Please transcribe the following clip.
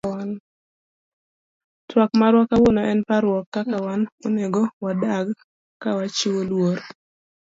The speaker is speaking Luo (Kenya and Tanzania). Twak marwa kawuono en parrouk kaka wan onego wadak kawachiwo luor.